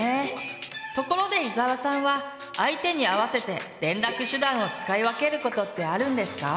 ところで伊沢さんは相手に合わせて連絡手段を使い分けることってあるんですか？